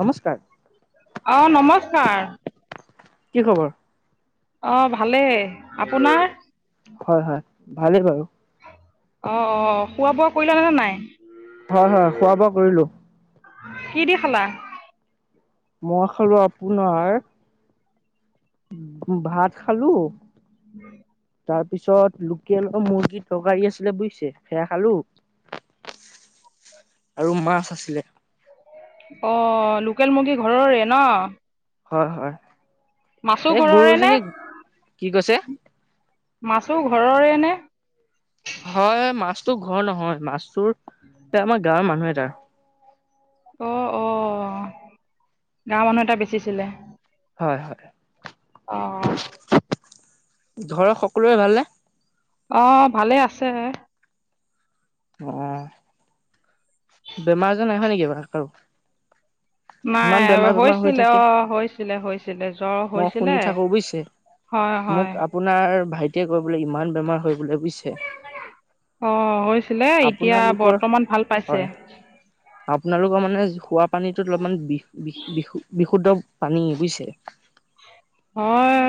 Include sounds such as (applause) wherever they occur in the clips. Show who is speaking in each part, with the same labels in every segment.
Speaker 1: নমস্কাৰ-
Speaker 2: অ নমস্কাৰ-
Speaker 1: কি খবৰ-
Speaker 2: অ ভালেই আপোনাৰ
Speaker 1: হয় হয় ভালেই বাৰু-
Speaker 2: অ অ খোৱা বোৱা কৰিলা নে নাই-
Speaker 1: হয় হয় খোৱা বোৱা কৰিলো-
Speaker 2: কি দি খালা-
Speaker 1: মই খালো আপোনাৰ ভাত খালো-
Speaker 2: (unintelligible)
Speaker 1: তাৰ পিছত লোকেলৰ মুৰ্গীৰ তৰকাৰী আছিলে বুজিছে সেয়া খালো- আৰু মাছ আছিলে-
Speaker 2: অ লোকেল মুৰ্গী ঘৰৰে ন-
Speaker 1: হয় হয়
Speaker 2: মাছো
Speaker 1: এই গৰু
Speaker 2: ঘৰৰে নে
Speaker 1: জনী কি কৈছে-
Speaker 2: মাছো ঘৰৰে নে-
Speaker 1: হয় মাছটো ঘৰ নহয় মাছটোৰ এ আমাৰ গাঁৱৰ মানুহ এ তাৰ-
Speaker 2: অ অ গাৱৰ মানুহ এটাই বেচিছিলে
Speaker 1: হয় হয়
Speaker 2: অ
Speaker 1: ঘৰত সকলোৰে ভালে নে?
Speaker 2: অ ভালে আছে।
Speaker 1: অ বেমাৰ আজাৰ নাই হোৱা নেকি এবাৰ কাৰো।
Speaker 2: (inaudible) নাই
Speaker 1: ইমান বেমাৰ বেমাৰ হৈ
Speaker 2: হৈছিলে
Speaker 1: থাকে
Speaker 2: অ হৈছিলে হৈছিলে জ্বৰ
Speaker 1: মই শুনি
Speaker 2: হৈছিলে।
Speaker 1: থাকো বুজিছে
Speaker 2: হয় হয়
Speaker 1: মোক আপোনাৰ ভাইটিয়ে কৈ বোলে ইমান বেমাৰ হয় বুলে।
Speaker 2: অ হৈছিলে এতিয়া
Speaker 1: আপোনালোকৰ
Speaker 2: বৰ্তমান ভাল পাইছে।
Speaker 1: হয় আপোনালোকৰ মানে খোৱা পানীটোত অলপমান বি বি বিশুদ্ধ পানী বুজিছে।
Speaker 2: হয়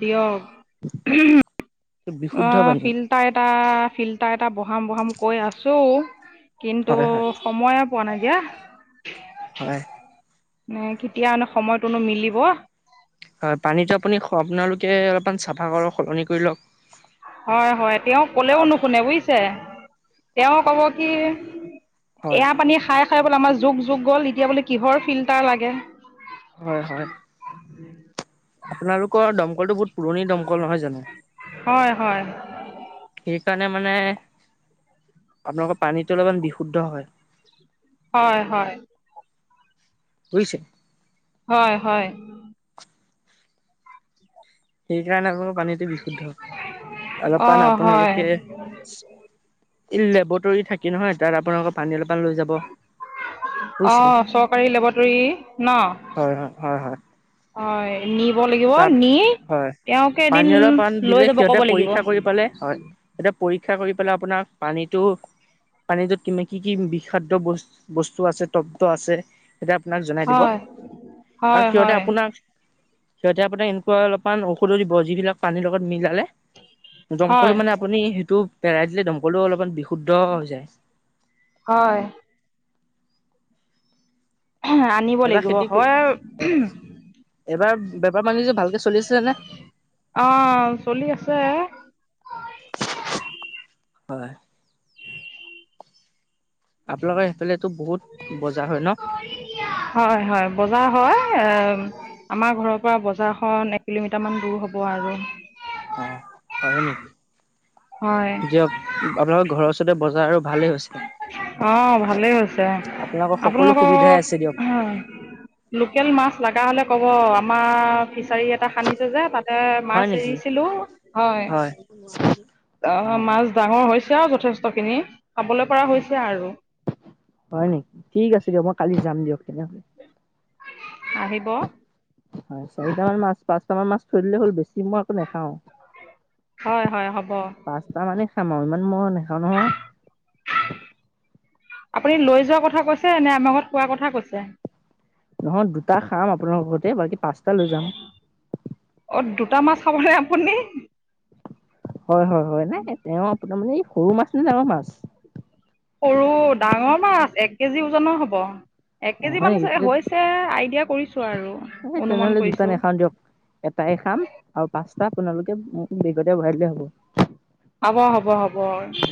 Speaker 2: দিয়ক
Speaker 1: (inaudible)
Speaker 2: অ
Speaker 1: পানী
Speaker 2: ফিল্টাৰ এটা ফিল্টাৰ এটা বঢ়াম বঢ়াম কৈ আছো। কিন্তু
Speaker 1: হয় হয়
Speaker 2: সময়ে পোৱা নাইকিয়া।
Speaker 1: হয়
Speaker 2: মানে কেতিয়া মানে সময়টোনো মিলিব।
Speaker 1: হয় পানীতটো আপুনি আপোনালোকে অলপমান চাফা কৰক সলনি কৰি লওক
Speaker 2: হয় হয় তেওঁ কলেও নুশুনে বুজিছে, তেওঁ কব কি
Speaker 1: হয়
Speaker 2: এয়া পানী খাই খাই বোলে আমাৰ যুগ যুগ গল এতিয়া বোলে কিহৰ ফিল্টাৰ লাগে।
Speaker 1: হয় হয়।
Speaker 2: উম
Speaker 1: আপোনালোকৰ দমকলটো বহুত পুৰণি দমকল নহয় জানো।
Speaker 2: হয় হয়
Speaker 1: সেইকাৰণে মানে আপোনালোকৰ পানীত অলপমান বিশুদ্ধ হয়।
Speaker 2: হয় হয়।
Speaker 1: বুজিছে।
Speaker 2: হয় হয়।
Speaker 1: সেই কাৰণে আপোনালোকৰ পানীটো বিশুদ্ধ অলপমান
Speaker 2: অ', হয়
Speaker 1: আপোনালোকে। লেবটৰী থাকি নহয় তাত আপোনালোকৰ পানী অলপমান লৈ যাব। বুজিছে।
Speaker 2: অহ চৰকাৰী লেবৰেটিৰী ন।
Speaker 1: হয় হয় হয় হয়
Speaker 2: হয় নিব লাগিব
Speaker 1: তাত
Speaker 2: নি
Speaker 1: হয়
Speaker 2: তেওঁকে এদিন
Speaker 1: পানীয়লৰ পাণ
Speaker 2: লৈ
Speaker 1: দিলে
Speaker 2: যাব ক'ব
Speaker 1: সিহঁতে
Speaker 2: লাগিব
Speaker 1: পৰীক্ষা কৰি পালে হয়। পৰীক্ষা কৰি পেলাই আপোনাক পানীটো পানী টো কি কি কি বিষাক্ত বস্তু আছে তপ্ত আছে। সেইয়া আপোনাক জনাই দিব
Speaker 2: হয়
Speaker 1: আৰু
Speaker 2: হয়
Speaker 1: সিহঁতে
Speaker 2: হয়
Speaker 1: আপোনাক। সিহঁতে আপোনাক এনেকুৱা অলপমান ঔষধ দিব যিবিলাক পানীৰ লগত মিলালে দমকল
Speaker 2: হয়
Speaker 1: মানে আপুনি সেইটো পেলাই দিলে দমকলো অলপমান বিশুদ্ধ হৈ যায়।
Speaker 2: হয় আনিব লাগিব
Speaker 1: খেতি
Speaker 2: হয়।
Speaker 1: হয় এবাৰ বেপাৰ বাণিজ্য ভালকে চলি আছে নে?
Speaker 2: অ চলি আছে।
Speaker 1: হয়। আপোনালোকৰ সেইফালেতো বহুত বজাৰ হয় ন।
Speaker 2: হয় হয় বজাৰ হয় আমাৰ ঘৰৰ পৰা বজাৰখন এক কিলোমিটাৰমান দূৰ হ'ব আৰু।
Speaker 1: অ হয় নেকি
Speaker 2: হয়
Speaker 1: দিয়ক আপোনাৰোকৰ ঘৰৰ ওচ- ৰতে বজাৰ আৰু ভালেই হৈছে।
Speaker 2: অ ভালেই হৈছে
Speaker 1: সকলো
Speaker 2: আপোনালোকৰ
Speaker 1: সুবিধাই আছে দিয়ক
Speaker 2: লোকেল মাছ লগা হলে কব আমাৰ ফিচাৰী এটা খানিছে যে তাত এ
Speaker 1: হয়
Speaker 2: মাছ
Speaker 1: নেকি?
Speaker 2: এৰিছিলো হয় অ মাছ ডাঙৰ হৈছে হৈছে যথেষ্টখিনি খাবলে
Speaker 1: হয় নেকি ঠিক আছে দিয়ক মই কালি যাম দিয়ক তেনেহলে
Speaker 2: আহিব।
Speaker 1: হয় চাৰিটা মান মাছ পাঁচ টা মাছ থৈ দিলে হল বেছি। মই একো নাখাওঁ
Speaker 2: হয় হয় হ'ব
Speaker 1: পাঁচটা মানে খাম আও ইমান মই নে- নেখাওঁ নহয়।
Speaker 2: আপুনি লৈ যোৱা কথা কৈছে নে আমাৰ ঘৰত খোৱা কথা কৈছে।
Speaker 1: নহয় দুটা খাম আপোনাৰ লগতে বাকী পাঁচটা লৈ যাম।
Speaker 2: অ দুটা মাছ খাব নে আপুনি।
Speaker 1: হয় হয় হয় নাই তেওঁ আপোনাৰ মানে এই সৰু মাছ নে ডাঙৰ মাছ।
Speaker 2: সৰু ডাঙৰ মাছ এক কেজি ওজনৰ হব। এক
Speaker 1: অ',
Speaker 2: কেজি
Speaker 1: হয়
Speaker 2: মান
Speaker 1: নেকি তেতিয়া
Speaker 2: হৈছে আইডিয়া কৰিছ-
Speaker 1: তেনেহলে দুটান নেখাওঁ দিয়ক এটা হে খাম আৰু পা- তাৰ আপোনালোকে মোক বিগতে ভৰাই দিলে হ'ব।
Speaker 2: হ'ব হ'ব হব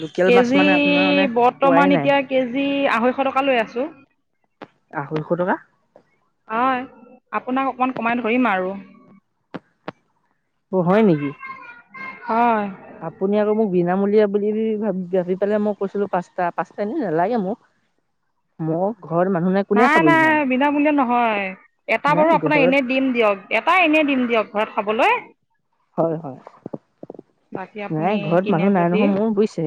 Speaker 1: লোকেল মাছ
Speaker 2: কেজি
Speaker 1: মানে আপোনাৰ মানে পোৱাই
Speaker 2: বৰ্তমান
Speaker 1: নাই।
Speaker 2: এতিয়া কেজি আঢ়ৈশ টকা লৈ আছো।
Speaker 1: আঢ়ৈশ টকা।
Speaker 2: হয় আপোনাক অকমান কমাই ধৰিম আৰু।
Speaker 1: অ হয় নেকি?
Speaker 2: হয়।
Speaker 1: আপুনি আকৌ মোক বিনামূলীয়া বুলি ভাব ভাবি পেলাই মই কৈছিলো পাঁচটা পাঁচটা এনে নালাগে মোক। ম
Speaker 2: নাই নাই বিনামূলীয়া নহয় এটা
Speaker 1: নাই
Speaker 2: বাৰু আপোনাৰ
Speaker 1: ঘৰত
Speaker 2: এনে দিম দিয়ক এটা এনে দিম দিয়ক। ঘৰত খাবলৈ
Speaker 1: হয় হয়
Speaker 2: বাকী
Speaker 1: নাই
Speaker 2: আপুনি
Speaker 1: ঘৰত
Speaker 2: কিনে
Speaker 1: মানুহ নাই নহয়
Speaker 2: যদি
Speaker 1: মোৰ বুজিছে।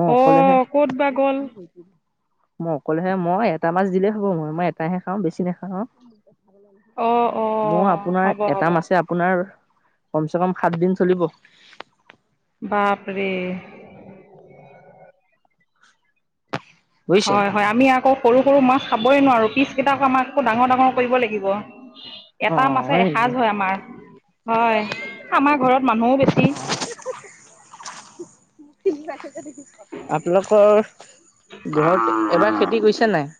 Speaker 1: মই অকলেহে
Speaker 2: অ' ক'ত বা গ'ল
Speaker 1: মই অকলেহে মই এটা মাছ দিলেই হ'ব মই এটাহে খাওঁ বেছি নাখাওঁ।
Speaker 2: অ'
Speaker 1: মোৰ
Speaker 2: অ'
Speaker 1: আপোনাৰ
Speaker 2: হ'ব
Speaker 1: এটা
Speaker 2: হ'ব
Speaker 1: মাছে আপোনাৰ কমচে কম সাত দিন চলিব।
Speaker 2: বাপৰে
Speaker 1: বুজিছে
Speaker 2: হয় হয় আমি আকৌ সৰু সৰু মাছ খাবই নোৱাৰো পিছ কেইটাক আমাক আকৌ ডাঙৰ ডাঙৰ কৰিব লাগিব।
Speaker 1: অ
Speaker 2: এটা মাছে
Speaker 1: নেকি
Speaker 2: এসাঁজ হয় আমাৰ। হয় আমাৰ ঘৰত মানুহও বেছি।
Speaker 1: আপোনালোকৰ ঘৰত এবাৰ খেতি কৰিছে নাই?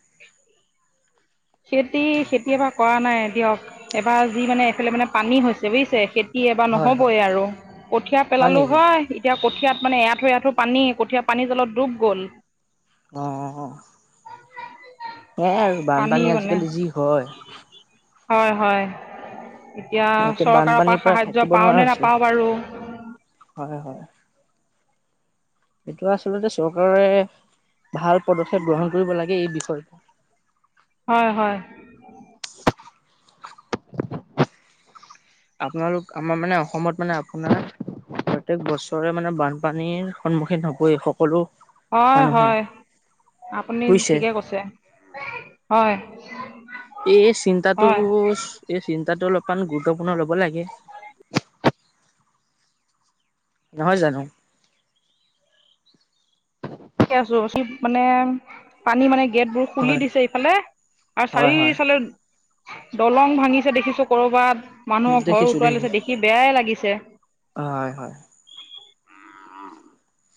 Speaker 2: খেতি, খেতি এবাৰ কৰা নাই দিয়ক এবাৰ যি মানে এইফালে মানে পানী হৈছে বুজিছে। খেতি এবাৰ
Speaker 1: হয় হয়
Speaker 2: নহ'বই আৰু কঠীয়া পেলালোঁ হয় এতিয়া কঠীয়াত। মানে এ আঠু আঁঠু পানী কঠীয়াা পানী জলপ ডুব গ'ল।
Speaker 1: অ সেইয়াই আৰু।
Speaker 2: পানী
Speaker 1: বানপানী
Speaker 2: মানে
Speaker 1: আজিকালি যি হয়।
Speaker 2: হয় হয়। এতিয়া
Speaker 1: একে
Speaker 2: চৰকাৰৰ
Speaker 1: বানপানীৰ
Speaker 2: পৰা সাহায্য
Speaker 1: থাকিব
Speaker 2: পাওঁ
Speaker 1: নোৱাৰা
Speaker 2: নে
Speaker 1: হৈছো
Speaker 2: নাপাওঁ বাৰু।
Speaker 1: এইেটো আচলতে চৰকাৰে। ভাল পদক্ষেপ গ্ৰহণ কৰিব লাগে এই বিষয়টো।
Speaker 2: হয় হয়।
Speaker 1: আপোনালোক আমাৰ মানে অসমত মানে আপোনাৰ। প্ৰত্যেক বছৰে মানে বানপানীৰ সন্মুখীন হ'বই সকলো।
Speaker 2: হয়
Speaker 1: মানুহে
Speaker 2: হয় আপুনি
Speaker 1: বুজিছে
Speaker 2: ঠিকে কৈছে হয়।
Speaker 1: এই চিন্তাতটো
Speaker 2: হয়
Speaker 1: এই চিন্তাতটো অলপমান গুৰুত্বপূৰ্ণ ল'ব লাগে নহয় জানো
Speaker 2: মানে পানী মানে গেটবোৰ খুলি
Speaker 1: হয়
Speaker 2: দিছে ইফালে আৰু
Speaker 1: হয় হয়
Speaker 2: চাৰিওফালে দলং ভাঙিছে দেখিছো কৰবাত মানুহক ঘৰ
Speaker 1: দেখিছো
Speaker 2: উতুৱাই লৈছে
Speaker 1: দেখিছো
Speaker 2: দেখি বেয়াই লাগিছে
Speaker 1: হয় হয় (unintelligible)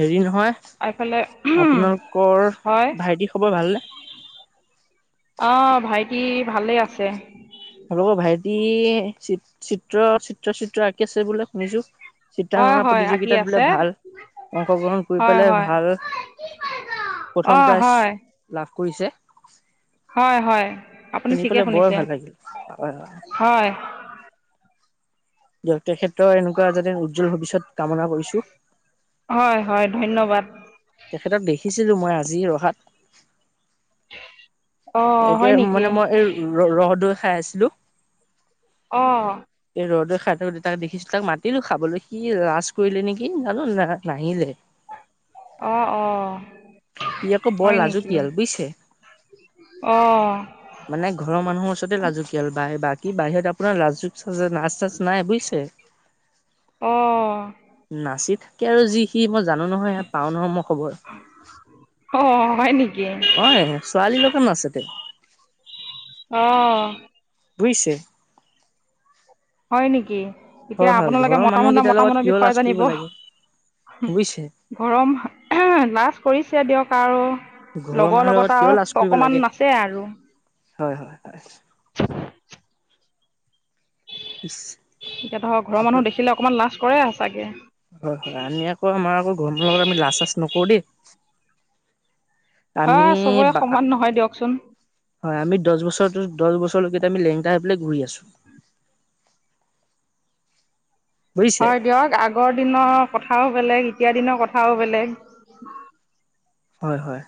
Speaker 1: হেৰি নহয়
Speaker 2: আৰু এইফালে
Speaker 1: আপোনালোকৰ
Speaker 2: হয়
Speaker 1: ভাইটি খবৰ ভালনে?
Speaker 2: অ ভাইটি ভালে আছে।
Speaker 1: অলৰ ভাইটি চ চিত্ৰ চিত্ৰ চিত্ৰ আঁকি আছে বোলে শুনিছো
Speaker 2: হয়
Speaker 1: চিত্ৰাংগনা
Speaker 2: হয় আঁকি
Speaker 1: প্ৰতিযোগিতাত বোলে
Speaker 2: আছে
Speaker 1: ভাল, অংশগ্ৰহণ কৰি
Speaker 2: হয়
Speaker 1: পেলাই
Speaker 2: হয়
Speaker 1: ভাল
Speaker 2: অ
Speaker 1: প্ৰথম প্ৰাইজ
Speaker 2: হয়
Speaker 1: লাভ কৰিছে।
Speaker 2: হয় হয় আপুনি
Speaker 1: শুনি
Speaker 2: ঠিকে
Speaker 1: পেলাই বৰ
Speaker 2: শুনিছে
Speaker 1: ভাল লাগিল।
Speaker 2: হয়।
Speaker 1: তেখেত্ৰ এনেকুৱা যাতে উজ্জ্বল ভৱিষ্যত কামনা কৰিছো।
Speaker 2: হয় হয় ধন্যবাদ।
Speaker 1: তেখেতক দেখিছিলোঁ মই আজি ৰহাত।
Speaker 2: অঁ
Speaker 1: একে
Speaker 2: হয় নেকি
Speaker 1: মানে মই এই ৰ ৰহদ খাই আছিলো।
Speaker 2: অ
Speaker 1: ৰ'দে খাই থাকো তাক দেখিছিলো তাক মাতিলো খাবলৈ কি ৰাজাজ কৰিলে নেকি জানো ন নাহিলে
Speaker 2: অ অ
Speaker 1: সি আকৌ বৰ লাজুকীয়াল বুজিছে
Speaker 2: অঁ
Speaker 1: মানে ঘৰৰ মানুহৰ ওচৰতে লাজকীয়াল ব বাকী বাহিৰত আপোনাৰ লাজ নাচ তাচ নাই বুজিছে
Speaker 2: অ
Speaker 1: কি আৰু যি সি মই জানো নহয় ই পাও নহয় মোৰ খবৰ
Speaker 2: অ হয় নেকি?
Speaker 1: অ ছোৱালীৰ দোকান আছে ত।
Speaker 2: অঁ।
Speaker 1: বোইছে।
Speaker 2: হয় নেকি এতিয়া আপোনালোকে মতা মানুহে
Speaker 1: মানুহকেইটাৰ
Speaker 2: মতা
Speaker 1: লগত
Speaker 2: মোনৰ
Speaker 1: কিয়
Speaker 2: বিষয়ে
Speaker 1: লাজ
Speaker 2: জানিব।
Speaker 1: কৰিব লাগে বুজিছে
Speaker 2: গৰম লাজ কৰিছে দিয়ক আৰু।
Speaker 1: ঘৰৰ
Speaker 2: লগৰ
Speaker 1: মানুহৰ
Speaker 2: লগত
Speaker 1: কিয় লাজ কৰিব
Speaker 2: অকমান
Speaker 1: লাগে
Speaker 2: নাচ আৰু।
Speaker 1: হয় হয় হয়। ইচ
Speaker 2: এতিয়া ধৰক ঘৰৰ
Speaker 1: আপোন
Speaker 2: মানুহে দেখিলে অকমান লাজ কৰে চাগে।
Speaker 1: হয় নহয় হ, আমি আকৌ আমাৰ আকৌ ঘৰ লগত আমি লাজ চাজ নকৰো দেই। আমি
Speaker 2: হয় চবৰে সমান নহয় দিয়কচোন
Speaker 1: হয় আমি দহ বছৰো দহ বছৰ লৈকে আমি লেংটা হৈ পেলাই ঘূৰি আছো বুজিছে
Speaker 2: হয় দিয়ক আগৰ দিনৰ কথাও বেলেগ এতিয়া দিনৰ কথাও বেলেগ।
Speaker 1: হয় হয়।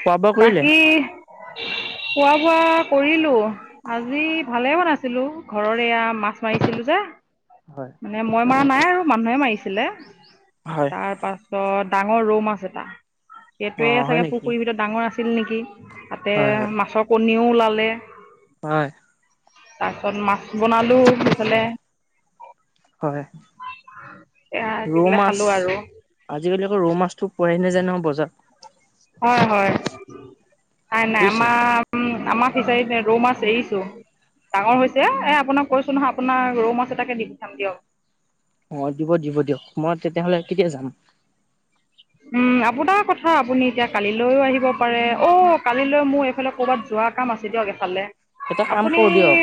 Speaker 1: খোৱা বোৱা কৰিলে
Speaker 2: বাকী খোৱা বোৱা কৰিলো আজি ভালে বনাইছিলো ঘৰৰ এয়া মাছ মাৰিছিলো যে।
Speaker 1: হয়
Speaker 2: মানে মই মৰা নাই আৰু মানুহে মাৰিছিলে
Speaker 1: হয়
Speaker 2: তাৰ পাছ ত ডাঙৰ ৰৌ মাছ এটা।
Speaker 1: অ
Speaker 2: সেইটোৱে
Speaker 1: হয়
Speaker 2: চাগে
Speaker 1: নেকি
Speaker 2: পুখুৰীৰ ভিতৰত ডাঙৰ আছিল নেকি। তাতে
Speaker 1: হয় হয়
Speaker 2: মাছৰ কণীও ওলালে।
Speaker 1: হয়।
Speaker 2: তাৰপিছত মাছ বনালো সেইফালে
Speaker 1: হয়।
Speaker 2: এয়া দি
Speaker 1: ৰৌ
Speaker 2: পেলাই
Speaker 1: মাছ
Speaker 2: খালো আৰু
Speaker 1: আজিকালি আকৌ ৰৌ মাছতো পোৱাই নাযায় নহয় বজাৰত।
Speaker 2: হয় হয় নাই নাই
Speaker 1: বুজিছে
Speaker 2: আমাৰ আমাৰ ফিচাৰিত ৰৌ মাছ এৰিছো। ডাঙৰ হৈছে এ আপোনাক কৈছো নহয় আপোনাৰ ৰৌ মাছ এটাকে দি পঠাম দিয়ক।
Speaker 1: অ দিব দিব দিয়ক। মই তেতিয়াহলে কেতিয়া যাম?
Speaker 2: আপোনাৰ কথা আপুনি এতিয়া কালিলৈও আহিব পাৰে অ কালিলৈ মোৰ এইফালে ক'ৰবাত যোৱা কাম আছে দিয়ক এফালে।
Speaker 1: এটা কাম
Speaker 2: আপুনি
Speaker 1: কৰো দিয়ক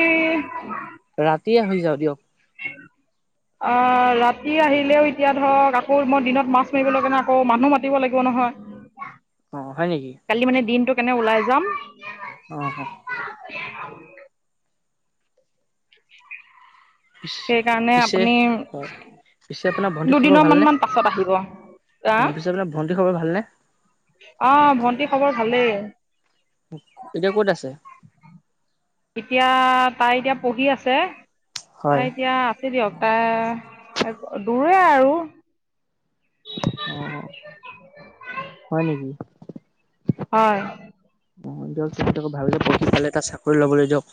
Speaker 1: ৰাতিয়ে হৈ যাওঁ দিয়ক
Speaker 2: অ ৰাতি আহিলেও এতিয়া ধৰক আকৌ মই দিনত মাছ মাৰিব লগা না আকৌ মানুহ মাতিব লাগিব নহয়।
Speaker 1: অ হয় নেকি?
Speaker 2: কালি মানে দিনটো কেনে ওলাই যাম।
Speaker 1: অহ অহ।
Speaker 2: (inaudible) সেইকাৰণে
Speaker 1: পিছে
Speaker 2: আপুনি
Speaker 1: হয় পিছে আপোনাৰ ভণ্টিৰ খবৰ
Speaker 2: দুদিনৰ মান
Speaker 1: ভালনে
Speaker 2: মান পাছত আহিব অহ।
Speaker 1: অ পিছে আপোনাৰ ভণ্টিৰ খবৰ ভালনে
Speaker 2: অ ভন্টি খবৰ ভালেই।
Speaker 1: এতিয়া ক'ত আছে।
Speaker 2: এতিয়া তাই এতিয়া পঢ়ি আছে তাই
Speaker 1: হয়
Speaker 2: এতিয়া দিয়ক তাই দূৰে আৰু
Speaker 1: অ হয় নেকি?
Speaker 2: হয়
Speaker 1: অ দিয়ক তেখেতক ভালকে পঢ়ি পেলাই এটা চাকৰি লবলে দিয়ক।